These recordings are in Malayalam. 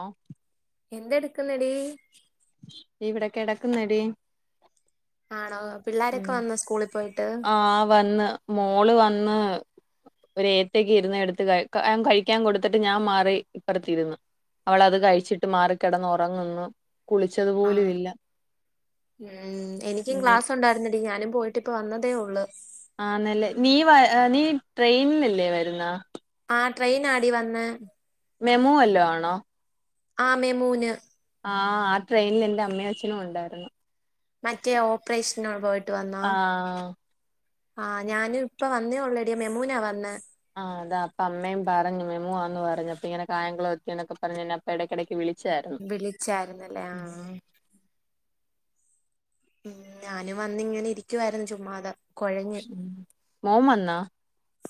ആഹ് എന്തെട്ക്ക്ന്നെടീ ഇവിടെ കെടക്ക്ന്നെടീ ആണോ പിള്ളാരൊക്കെ ഉം വന്നൊ സ്കൂളീ പോയിട്ട് ആഹ് വന്ന് മോള് വന്ന് ഒരേത്തെക്കിര്ന്നതെട്ത്ത് കഴ് അഞാൻ കഴിക്കാൻ കൊട്ത്തിട്ട് ഞാൻ മാറി ഇപ്പറ്ത്തിര്ന്ന് അവളത് കഴിച്ചിട്ട് മാറിക്കെടന്നൊറങ്ങുന്ന് കുളിച്ചതും ആഹ് എനിക്കും ഇനി ക്ലാസൊണ്ടായിരുന്നെടി ഞാനും പോയി ട്ടിപ്പ വന്നതേ ഒള്ള് ആന്നല്ലേ നീ വ നീ ട്രെയിൻലല്ലേ വര്ന്നാ ആഹ് ട്രെയിന്നാടി വന്നേ മെമു വല്ലോ ആണോ ആമീമുൻ ആഹ് ആ ട്രെയിന്ൽ എന്റെ അമ്മേം അച്ഛനും ഒണ്ടായിര്ന്ന് മറ്റേ ഓപ്പ്റേഷന് പോയിട്ട് വന്നാ? ആഹ് ആഹ് ഞാനും ഇപ്പ വന്നേ ഒള്ളെടി മെമൂനാ വന്നേ ആഹ് അതാ അപ്പ അമ്മേം പറഞ്ഞ് മെമുവാന്ന് പറഞ്ഞ് അപ്പിങ്ങനെ കായങ്കുളവെത്തീന്നൊക്കെ പറഞ്ഞെന്നെ അപ്പെടക്കെടക്ക് വിളി വിളിച്ചാര്ന്നല്ലേ ആഹ് ഉം ഞാനും വന്നിങ്ങനിരിക്കുവായ്ര്ന്ന് ചുമ്മാതെ കൊഴഞ്ഞ് മോൻവന്നാ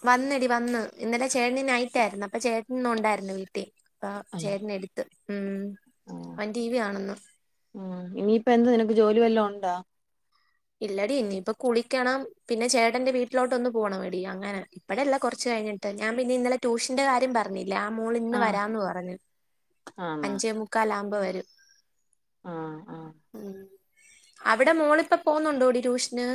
വന്നെടി വന്ന് ഇന്നലെ ചേട്ട്ന് നൈയിറ്റായിര്ന്ന് അപ്പൊ ചേട്ട്നിന്നൊണ്ടായിര്ന്ന് വീട്ടീ ദാ ആഹ് ചേട്ട്നെട്ത്ത് ഉം ആഹ് അവൻ ടി വി കാണ്ന്ന് ഉം ഇനിയിപ്പെന്ത് നിനക്ക് ജോലി വല്ലോം ഒണ്ടോ ഇല്ലെടി ഇനീപ്പൊ കുളിക്കണം പിന്നെ ചേട്ടന്റെ വീട്ടിലോട്ട് ഒന്ന് പോവണവെടി അങ്ങനാ ഇപ്പഴല്ല കൊറ്ച്ച് കഴിഞ്ഞിട്ട് ഞാൻ പിന്നെ ഇന്നലെ ട്യൂഷ് ന്റെ കാര്യം പറഞ്ഞില്ലേ ആ മോള് ഇന്ന് ആഹ് വരാന്ന് പറഞ്ഞ് ആന്നോ അഞ്ചേ മു ക്കാലാവുമ്പൊ വരും ആഹ് ആഹ് അവിടെ മോളിപ്പ പോവ്ന്നൊണ്ടോടീ ട്യൂഷ്ന്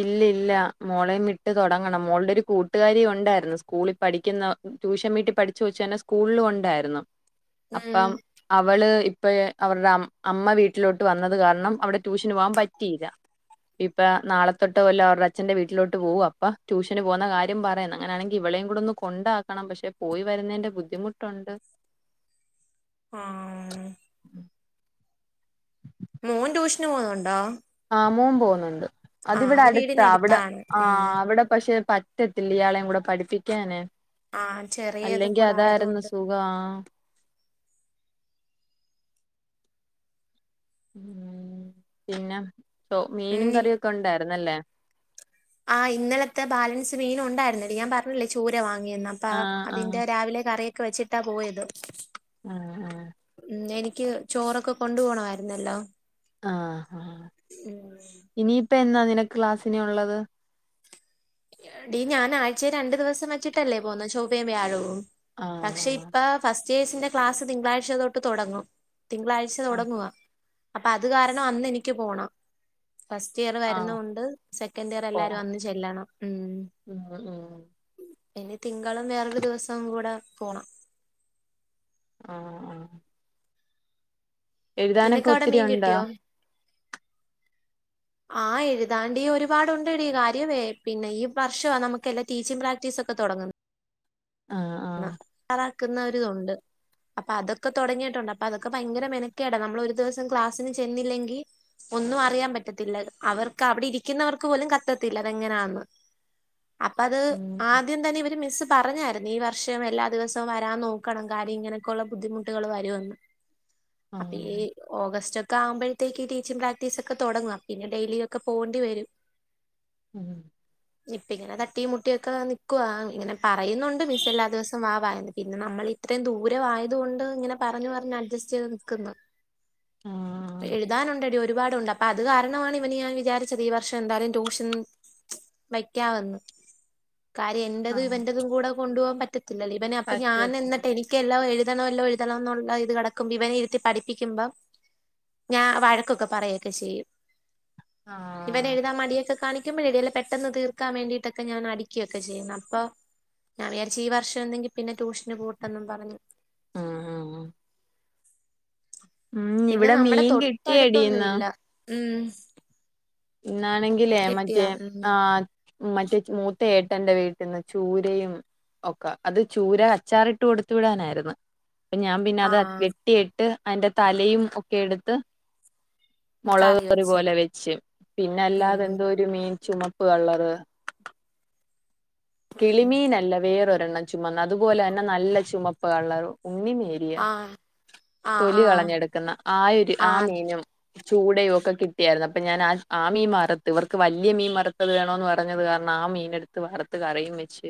ഇല്ല ഇല്ല മോളെയും വിട്ട് തൊടങ്ങണം മോളുടെ ഒരു കൂട്ടുകാരി ഉണ്ടായിരുന്നു. സ്കൂളിൽ പഠിക്കുന്ന ട്യൂഷൻ വീട്ടി പഠിച്ച കൊച്ച് തന്നെ സ്കൂളിലും ഉണ്ടായിരുന്നു. ഉം അപ്പം അവള് ഇപ്പ അവരുടെ അമ്മ വീട്ടിലോട്ട് വന്നത് കാരണം അവിടെ ട്യൂഷന് പോവാൻ പറ്റിയില്ല ഇപ്പ നാളെ തൊട്ട് കൊല്ലം അവടെ അച്ഛന്റെ വീട്ടിലോട്ട് പോകും. അപ്പൊ ട്യൂഷന് പോകുന്ന കാര്യം പറയണം. അങ്ങനെയണെങ്കിൽ ഇവളെയും കൂടെ ഒന്ന് കൊണ്ടാക്കണം. പക്ഷെ പോയി വരുന്നതിന്റെ ബുദ്ധിമുട്ടുണ്ട്. ആഹ് [inaudible] മോൻ ട്യൂഷന് പോന്നുണ്ടോ? ആഹ് മോൻ പോകുന്നുണ്ട്. ആ അതിവിടെ അത് അടുത്ത അവിടെ വീടിനടുത്താണ് ഉം ആഹ അവിടെ പക്ഷെ പറ്റ പറ്റത്തില്ല ഇയാളെയും കൂടെ പഠിപ്പിക്കാന്. ആഹ് ചെറിയത് കൂടെ ആയതുകൊണ്ട്. വാ പിന്നെ മീനും ഉം കറിയൊക്കെ ഉണ്ടായിരുന്നല്ലേ? ആഹ് ഇന്നലത്തെ ബാലൻസ് മീന് ഉണ്ടായിരുന്നെടി ഞാൻ പറഞ്ഞില്ലേ ചൂര വാങ്ങിയെന്ന് അപ്പ ആ ആ അതിന്റെ രാവിലെ കറിയൊക്കെ വെച്ചിട്ടാ പോയത്. [inaudible] മ്മ് എനിക്ക് ചോറൊക്കെ കൊണ്ട് പോണമായിരുന്നല്ലോ? ആഹ് ആഹ് ഉം ഇനിയിപ്പം എന്നാ നിനക്ക് ക്ലാസിനി ഉള്ളത്. ഡീ ഞാൻ ആഴ്ചയിൽ രണ്ടു ദിവസം വെച്ചിട്ടല്ലേ പോന്നത്. ചൊവ്വയും, വ്യാഴവും, ആ പക്ഷെ ഇപ്പം. ഫസ്റ്റ് ഇയേഴ്സിന്റെ ക്ലാസ് തിങ്കളാഴ്ച തൊട്ട് തുടങ്ങും. തിങ്കളാഴ്ച ആ തുടങ്ങുവ. അപ്പൊ അത് കാരണം. അന്ന് എനിക്ക് പോണം. ഫസ്റ്റ് ഇയർ ആ വരുന്ന് ഉണ്ട് സെക്കൻഡ് ഇയർ എല്ലാരും പോണം അന്ന് ചെല്ലണം. ഉം ഉം ഉം ഇനി തിങ്കളും വേറൊരു ദിവസം കൂടെ പോണം. ആഹ് ആഹ് നിനക്ക് അവിടെ ഒത്തിരി മീൻ ഉണ്ടാ കിട്ടിയോ? ആഹ് എഴുതാണ്ടി ഒരുപാട്ണ്ട്ടടി. കാര്യമേ പിന്നെ ഈ വർഷമാ നമുക്ക് എല്ലാം ടീച്ചിങ് പ്രാക്ടീസ് ഒക്കെ തുടങ്ങുന്നത്. ആ ആ റാക്കുന്ന ഒരിതുണ്ട് അപ്പൊ അതൊക്കെ തുടങ്ങിയിട്ടുണ്ട്. അപ്പൊ അതൊക്കെ ഭയങ്കര മെനക്കേടാ നമ്മള് ഒരു ദിവസം. ക്ലാസിന് ചെന്നില്ലെങ്കിൽ. ഒന്നും അറിയാൻ പറ്റത്തില്ല. അവർക്ക് അവിടെ ഇരിക്കുന്നവർക്ക് പോലും കത്തത്തില്ല അതെങ്ങനാന്ന്. അപ്പ അത് ഉം ആദ്യം തന്നെ ഇവര് മിസ്സ് പറഞ്ഞായിരുന്നു ഈ വർ വർഷം എല്ലാ ദിവസവും വരാൻ നോക്കണം കാര്യം ഇങ്ങനൊക്കെയുള്ള ബുദ്ധിമുട്ടുകൾ വരുംന്ന് ആ അപ്പോ ഈ. ഓഗസ്റ്റ് ഒക്കെ ആവുമ്പോഴത്തേക്ക് ടീച്ചിങ് പ്രാക്ടീസ് ഒക്കെ തുടങ്ങും. പിന്നെ ഡെയിലി ഒക്കെ പോകേണ്ടി വരും. ഇമ് ഇപ്പ ഇങ്ങനെ തട്ടിയും മുട്ടിയും ഒക്കെ നിക്കുവ ഇങ്ങനെ പറയുന്നുണ്ട്. മിസ് എല്ലാ ദിവസവും വാ വാ എന്ന് പിന്നെ നമ്മൾ ഇത്രയും ദൂരം ആയതുകൊണ്ട്. ഇങ്ങനെ പറഞ്ഞ് പറഞ്ഞ് അഡ്ജസ്റ്റ് ചെയ്ത് നിൽക്കുന്നു. ആ എഴുതാനുണ്ടെടി ഒരുപാടുണ്ട്. അപ്പൊ അത് കാരണമാണ് ഇവന് ഞാൻ വിചാരിച്ചത് ഈ വർഷം എന്തായാലും ടൂഷ്യൻ വെയ്ക്കാമെന്ന്. കാര്യം ആ എന്റെതും ഇവൻ്റെതും കൂടെ കൊണ്ടു പോവാൻ പറ്റത്തില്ലല്ലോ? ഇവന് അപ്പൊ ഞാൻ പറ്റത്തില്ല എന്നട്ട് എനി എല്ലാം എഴുതണമല്ലോ എഴുതണണം എന്നുള്ള ഇത് കിടക്കുമ്പോ ഇവനെ ഇരുത്തി പഠിപ്പിക്കുമ്പോ ഞാൻ വഴക്കൊക്കെ പറയൊക്കെ ചെയ്യും. ആഹ് ഇവന് എഴുതാൻ മടിയൊക്കെ കാണിക്കുമ്പോഴ് എഴുതൽ പെട്ടന്ന് തീർക്കാൻ വേണ്ടീട്ടൊക്കെ ഞാൻ അടിക്കയൊക്കെ ചെയ്യും അപ്പൊ ഞാൻ വിചാരിച്ചു ഈ വർഷം എന്തെങ്കി പിന്നെ ട്യൂഷന് പോട്ടെന്നും പറഞ്ഞു ഉം ഉം ഉം ഉം പിന്നെ ഇവിടെ നമ്മുടെ മീൻ കിട്ടിയെടി തൊട്ടടുത്തൊന്നും ഇന്ന് ഇല്ല. മ്മ് ഇന്നാണെങ്കിലേ മറ്റേ ആഹ് മറ്റേ മൂത്ത ഏട്ടന്റെറെ വീട്ടിൽന്ന് ചൂരയും ഓക്ക അത് ചൂര അച്ചാറിട്ട് കൊടുത്ത് വിടാനായിരുന്നു അപ്പൊ ഞാൻ പിന്നെ ആ അത് വെട്ടിട്ട് അതിന്റെ തലയും ഒക്കെ എടുത്ത് കറി മുളക്റി വെച്ച പോലെ വെച്ച് പിന്നെ അല്ലാതെ ഉം എന്തോ ഒരു മീൻ ചുമപ്പ് കള്ളറ് കിളിമീനല്ല വേറൊരെണ്ണം ചുമന്ന അതുപോലെ തന്നെ നല്ല ചുമപ്പ് കള്ളർ ഉണ്ണിമീൻ ആ തൊലി കളഞ്ഞെടുക്കുന്ന ആയൊരു ഒരു ആ ആഹ് മീനും ചൂടയും ഒക്കെ കിട്ടിയായിരുന്നു അപ്പൊ ഞാൻ ആ ആ മീൻ വറത്ത് ഇവർക്ക് വലിയ മീൻ വറുത്തത് വേണോന്ന് പറഞ്ഞത് കാരണം ആ മീൻ എടുത്ത് വറുത്ത് കറിയും വെച്ച്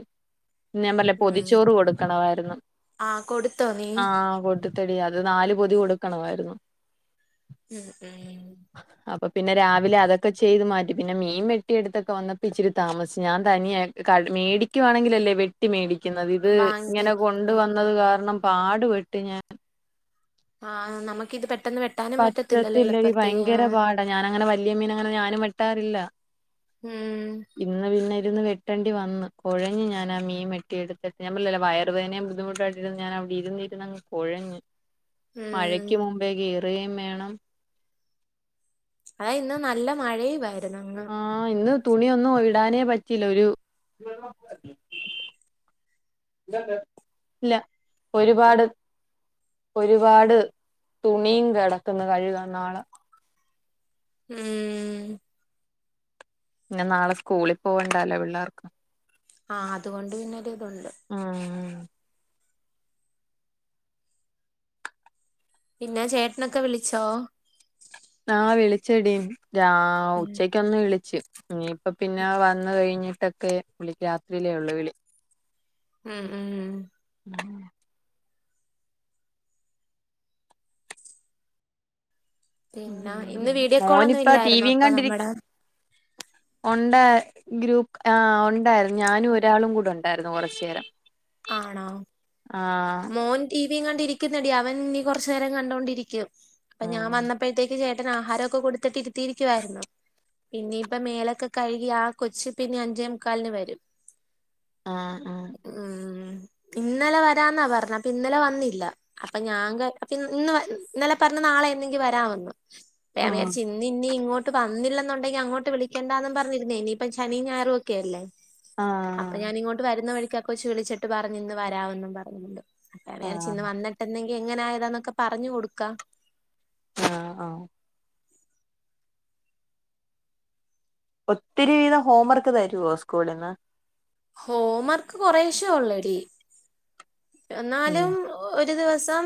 ഞാൻ പറല്ലേ ഉം പൊതിച്ചോറ് കൊടുക്കണായിരുന്നു ആഹ് കൊടുത്തോ നീ ആഹ കൊടുത്തെട്ടില്ല അത് നാല് പൊതി കൊടുക്കണമായിരുന്നു ഉം ഉം അപ്പൊ പിന്നെ രാവിലെ അതൊക്കെ ചെയ്ത് മാറ്റി പിന്നെ മീൻ വെട്ടിയടുത്തൊക്കെ വന്നപ്പോ ഇച്ചിരി താമസിച് ഞാൻ തനിയ മേടിക്കുവാണെങ്കിൽ അല്ലേ വെ മേടിക്കുന്നത് ഇത് ഇങ്ങനെ വാങ്ങിക്കുന്നു കൊണ്ട ഉം ഉം വന്നത് കാരണം പാടുപെട്ട് ഞാൻ ആ നമുക്ക് ഇത് പെട്ടെന്ന് വെട്ടാനും പറ്റത്തില്ലല്ലോ പറ്റത്തില്ലടി എളുപ്പത്തി ആ ഭയങ്കര പാടാ ഞാനങ്ങനെ വലിയ മീന അങ്ങനെ ഞാനും വെട്ടാറില്ല ഉം ഇന്ന് പിന്നെ ഇരുന്ന് വെട്ടണ്ടി വന്ന് കുഴഞ് ഞാൻ ആ മീൻ വെട്ടി എടുത്ത് ഞാൻ പാറല്ല വയറുവേദനയും ബുദ്ധിമുട്ടായിട്ട് [unintelligible] ഞാനവിടെ ഇരുന്നിരുന്നങ് കുഴഞ്ഞു [inaudible] ഉം മഴയ്ക്ക് മുമ്പേ ഗീറുകയും വേണം അ ഇന്ന് നല്ല മഴയ ആയിരുന്നു അങ് ആഹ് ഇന്ന് തുണിയൊന്നും ഇടാനേ പറ്റില്ല ഒരു ഇല്ല ഒരുപാട് ഒരുപാട് തുണിയും കിടക്കുന്ന് കഴുകാൻ നാളേ. ഉം ഉം പിന്നെ നാളെ സ്കൂളിൽ പോകണ്ടല്ലോ പിള്ളാർക്ക് ആ അതുകൊണ്ട് പിന്നരു ഇതുണ്ട് ആ പിന്നെ ചേട്ടനൊക്കെ വിളിച്ചോ ആ വിളിച്ചെടി രാ ഉം ഉച്ചക്ക് ക്ക ക്കൊന്നു വിളിച്ചു ഇനിയിപ്പ പിന്നെ വന്ന കഴിഞ്ഞിട്ടൊക്കെ വിളിക്ക് രാത്രിയിലേ ഉള്ളു വിളി ഉം ഉം [unintelligible] പിന്നെ ഉം ഇന്ന് വീഡിയോ കോളൊന്നും മോനിപ്പ ഇല്ലായിരുന്നോ അപ്പൊ നമ്മടെ ഉണ്ട ഗ്രൂപ്പ് ആ ഉണ്ടായിരുന്നു ഞാനും ഒരാളും കൂടെ ഉണ്ടായിരുന്നു കുറച്ചു നേരം ആണോ ആ മോൻ ടിവിയും കണ്ടിരിക്ക്ന്നിടി അവൻ ഇനി കുറച്ചു നേരം കണ്ടോണ്ടിരിക്കും അപ്പൊ ആ ഞാൻ വന്നപ്പേ അത്തേക്ക് ചേട്ടൻ ആഹാരൊക്കെ കൊടുത്തിട്ടി ഇരിത്തിയിരിക്കുവായിരുന്നു പിന്നെ ഇപ്പ മേലൊക്കെ കഴുകി ആ കൊച്ചി പിന്നെ അഞ്ചേ മുക്കാലിന് വരും ആ ആ ഉം ഇന്നലെ വരാന്നാ പറഞ്ഞ അപ്പ ഇന്നലെ വന്നില്ല അപ്പൊ ഞാ കാര് അപ്പ ഇന്ന് ഇന്നലെ പറഞ്ഞ നാളെ എന്തെങ്കി വരമൊന്ന് അപ്പൊ ഞാ വിചാരിച്ചു ഇ ഇന്ന് ഇനി ഇങ്ങോട്ട് വന്നില്ലെന്നുണ്ടെങ്കി അങ്ങോട്ട് വിളിക്കേണ്ടാന്നന്ന് പറഞ്ഞിന്നേ ഇനിയിപ്പം ശനിയ ഞരും ഒക്കെ അല്ലേ ആ അപ്പൊ ഞാനിങ്ങോട്ട് വരുന്ന വഴിക്കൊക്കെച്ച് വിളിച്ചിട്ട് പറഞ് ഇന്ന് വരാമെന്നും പറഞ്ഞണ്ട് [unintelligible] ആ വന്നിട്ടുന്നെങ്കിൽ എങ്ങന ആയതാ ന്നൊക്കെ പറഞ്ഞു കൊടുക്കാ ആ ആ ഒത്തിരി വിധം ഹോം വർക്ക് തരുവോ സ്കൂളിൽ നിന്ന് ഹോം മർക്ക് കൊറേശെ ഒള്ളടി. ഉം എന്നാലും ഒരു ദിവസം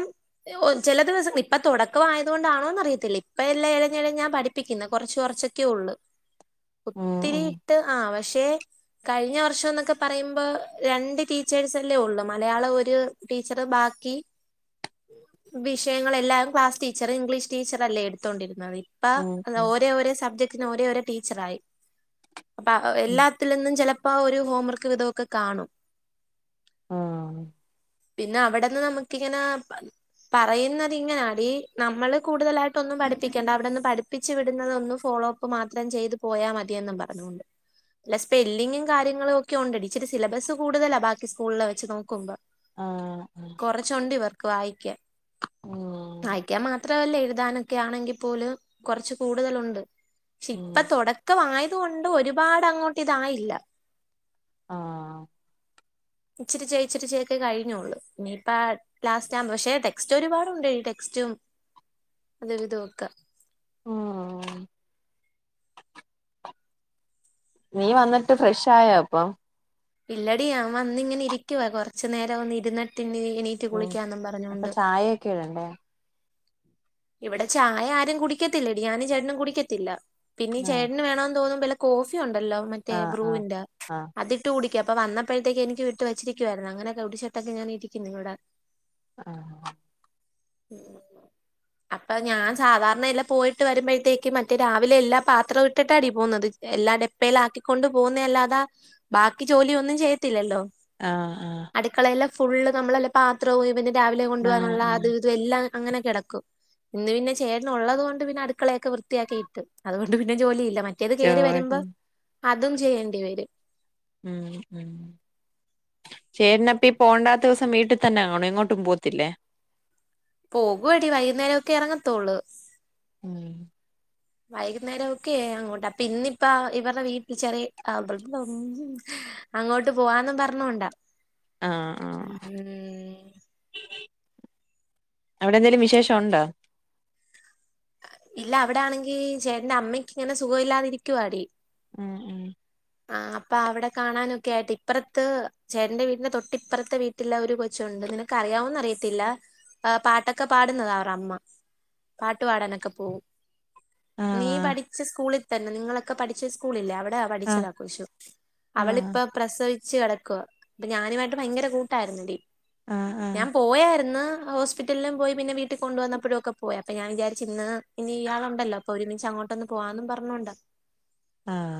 ഒ ചെല ദിവസം ഇപ്പം തുടക്കവായതൊണ്ടാണോന്നറിയത്തില്ല ഇപ്പഎല്ലാം ഏഴഞ്ഞെഴഞ്ഞാ പഠി പ്പിക്കുന്ന് കൊറച്ച് കൊറചെക്കെ ഒള്ള് ഉം ഒത്തിരി ഉം ഇട്ട് ആ പഷേ കഴിഞ്ഞ വർഷൊന്നൊക്കെ പറയുമ്പോ രണ്ട് ട്ടീച്ചേഴ്സല്ലേ ഒള്ളൂ മലയാളം ഒ ട് ട്ടീച്ചറ് ബാക്കി വിഷയങ്ങളെല്ലാം ക്ലാസ് ടീച്ചർ ഇംഗ്ലീഷ് ടീച്ചർ അല്ലേ എടുത്തൊണ്ടിരുന്ന ഉം അപ്പ ഓരേ ഒരേ സബ്ജക്റ്റന് ഒരേ ഒരോ ടീച്ചറായി പ്പ വെ ഉം എല്ലാത്തിലൊന്നും ചെലപ്പോ ഒരു ഹോംവർക്ക് വിതൊക്കെ കാണും. ആഹ് പിനെ അവ്ടന്ന് ന്നമക്കിങ്ങനാ പറയുന്നത് ഇങ്ങനാടി ന്നമ്മള് കൂടുതലായിട്ട് ഒന്നും പഠിപ്പിക്കണ്ട അവിടന്ന് പഠിപ്പിച്ച് വിടുന്നതൊന്ന് ഫോളോപ്പ് പ്പ മാത്രം ചെയ്തു പോയാ മതിയെന്നും പറഞ്ഞൊണ്ട് അല്ല സ്പെല്ലിങ്ങും കാര്യങ്ങളും ഒക്കെ ഉണ്ടെടി ഇച്ചിരി സിലബസ് കൂടുതലാ ബാക്കി സ്കൂളിലെ വെച്ച് നോക്കുമ്പോ. ആ ആ കൊറച്ചുണ്ട് ഇവർക്ക് വായിക്കാൻ ഉം വായ്ക്കാൻ മാത്രം പേർ ലെഴുതാനൊക്കെ ആണെങ്കി പോലും കൊറച്ച് കൂടുതലുണ്ട് പക്ഷെ ഉം ഇപ്പ തൊടക് ക്ക വായത് കൊണ്ട് ഒരുപാട് അങ്ങോട്ട് ഇതായില്ല. ആഹ് ഇച്ചിരി ചേ ഇച്ചിരി ചെ ക്കെ കയ്ഞ്ഞൊള്ള് ഇനിപ്പ ലാസ്റ്റാണ് പശേ ട്ടെക്സ്റ്റ് ഒരുപാടുണ്ട് ഈ ട്ടെക്സ്റ്റും അതു വിതു ഒക്കെ. ആഹ് നീ വന്നിട്ട് ഫ്രഷായോ അപ്പം. ഇല്ലടി ഞാൻ വന്നിങ്ങനെ ഇരിക്കുവ കൊറച്ച്ന്നേരവൊന്നിര്ന്നട്ട് ഇന്ന് ഇനി എണീറ്റ് കുളിക്കാന്നും പറഞ്ഞോണ്ട്. ആയേക്കിടണ്ടേ? ഇവിടെ ചായ ആരും കുടിക്കത്തില്ലടി ഞാനും ചേട്ടനും കുടിക്കത്തില്ല. പിനീ ആ ചേട്ടന് വേണോന്ന് തോന്നുമ്പള് കോഫി ഉണ്ടല്ലോ മറ്റേ ആ ആ ബ്രൂവിന്റെ ആ അദി ഇട്ട് കുടിക്ക അപ്പ വന്നപ്പഴ്ത്തേക്ക്‌ എനിക്കും ഇട്ട് വച്ചിരിക്കുവായിരുന്നു അങ്ങനെ കുടിച്ചിട്ടൊക്കെ ഞാൻ ഇരിക്കുന്ന് ഇവടെ. ആഹ [inaudible] അപ്പ ഞാൻ സാധാരണ എല്ലാം പോയിട്ട് വരുമ്പഴ്ത്തേക്ക് മറ്റേ രാവിലെ എല്ലാ പാത്രം ഇട്ടിട്ടാടി പോന്നത്. എല്ലാ ഡെപ്പേലാക്കിക്കൊണ്ട് പോകുന്നെല്ലാതാ ബാക്കി ജോലിയൊന്നും ചെയ്യത്തില്ലല്ലോ. ആ ഹാ അടുക്കളേലെ ഫുള്ള് നമ്മളെല്ല പാത്രവും ഇവന്റെ രാവിലെ ആഹ് കൊണ്ടുവാനുള്ള ആഹ് അതും ഇതും എല്ലാം അങ്ങനെ കെടക്കും. ഇന്ന് പിനെ ചേട്ടൻഉള്ളത് കൊണ്ട് പിനെ അടുക്കളയൊക്കെ വൃത്തിയാക്കി ഇട്ട് അതുകൊണ്ട് പിന്നെ ജോലിയില്ല മ. ഇത് കേറി ജോലി വരുമ്പം അതും ചെയ്യേണ്ടി വരും. ഉം ഉം ചേട്ട്നപ്പ ഈ പോണ്ടാത്ത ദിസം വീട്ട് തന്നെ കാണൊ എങ്ങോട്ടും പോവത്തില്ലേ? പോകൊടി വൈകുന്നേരം ഒക്കെ എറങ്ങത്തൊള്ള്. ഉം [inaudible] വൈകുന്നേരം ഒക്കെ അർങ്ങുട്ടാ പിന്നിപ്പ ഇവർടെ വീട്ടിൽ ചെറിയെ [inaudible] അങ്ങോട്ട് പോവാന്നും പറഞ്ഞോണ്ട മ്. അവടെ എന്തെലും വിശേഷം ഉണ്ടാ. ഇല്ല അവടാണെങ്കി ചേട്ട്ന്റെ അമ്മയ്ക്ക് ഇങ്ങനെ സുഖവില്ലാതിരിക്കുവാടി. ഉം ആ അപ്പ അവ്ടെ കാണാനൊക്കായിട്ട് ഇപ്പുറത്ത് ചേട്ടന്റെ വീട്ടിന്റെ തൊട്ടിപ്പറത്തെ വീട്ട് ട്ടില്ല ഒരു കൊച്ചുണ്ട് ന്നിനക്കറിയാവൊ ന്നറിയത്തില്ല ആ പാട്ടൊക്കെ പാടുന്നതാ അവറഅമ്മ. പാട്ടു പാടാനൊക്ക പോവും. നീ ആഹ് പഠിച്ച സ്കൂളിൽ തന്നെ നിങ്ങളൊക്കെ പഠിച്ച സ്കൂളില്ലേ അവിടെ പഠിച്ചത ആഹ് അവളിപ്പ പ്രസവിച്ച് കെടക്കുവ പ്പ ഞാനുവായിട്ട് ഭയങ്കര കൂട്ടായ്രുന്നെടി. ആഹ് ഞാൻ ആഹ് പോയാര്ന്ന് ഹോസ് ഹോസ്പിറ്റലിലും പോയി പിന്നെ വീട്ടി കൊണ്ടുവന്നപ്പോഴുക്കെ പോയി. അപ്പോ ഞാൻ വിചാരിച്ചു ഇന്ന്, ഇന്നിയാൾ ഉണ്ടല്ലോ പ്പൊരുമിച്ച് അങ്ങോട്ടൊന്ന് പോവാന്നും പറഞ്ഞോണ്ടാ ആഹ്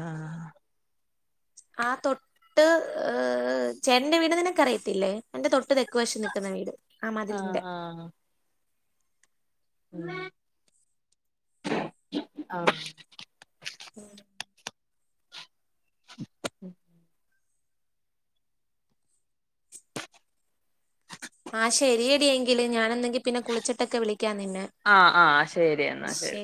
ആ തൊ ട്ട് ഏ ചേട്ടന്റെ വീട് നിനക്കറിയത്തില്ലേ അയ്ന്റെ തൊട്ട് തെക്ക് വശം നിക്കുന്ന വീട്.. ആ ആഹ് മതിലിന്റെ ആഹ് മ്.. ആഹ് [inaudible] ആ ശരിയെടിയെങ്കില് ഞാനെന്തെങ്കി പിന്നെ കുളിച്ചിട്ടൊക്കെ വിളിക്കാ നിന്നേ ആ ആ ശരി എന്നാ ശരി.